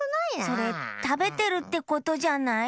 それたべてるってことじゃない？